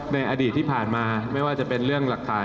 ในอดีตที่ผ่านมาไม่ว่าจะเป็นเรื่องหลักฐาน